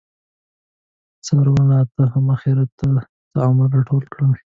څاروانه ته هم اخیرت ته څه عمل راټول کړه